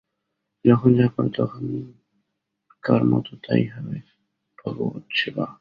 যখন যা কর, তখনকার মত তাই হবে ভগবৎ-সেবা।